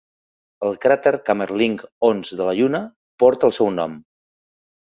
El cràter Kamerlingh Onnes de la Lluna porta el seu nom.